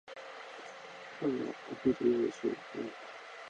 今日のお昼何にしようかなー？